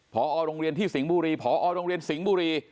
พอโรงเรียนที่สิงห์บุรีพอโรงเรียนสิงห์บุรี